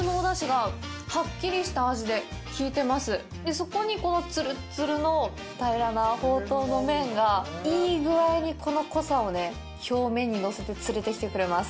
そこに、つるっつるの平らなほうとうの麺がいいぐあいに、この濃さを表面にのせて連れてきてくれます。